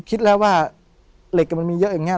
คิดแล้วว่าเหล็กมันมีเยอะอย่างนี้